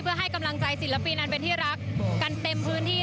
ภาพที่คุณผู้ชมเห็นอยู่นี้นะคะบรรยากาศหน้าเวทีตอนนี้เริ่มมีผู้แทนจำหน่ายไปจับจองพื้นที่